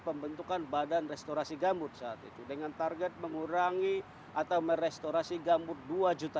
pembentukan badan restorasi gambut saat itu dengan target mengurangi atau merestorasi gambut dua juta